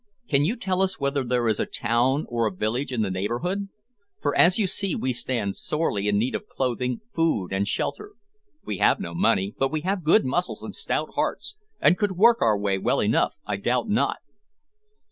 Can you tell us whether there is a town or a village in the neighbourhood? for, as you see, we stand sadly in need of clothing, food, and shelter. We have no money, but we have good muscles and stout hearts, and could work our way well enough, I doubt not."